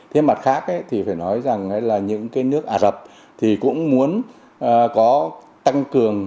thế mặt khác thì phải nói rằng là những cái nước ả rập thì cũng muốn có tăng cường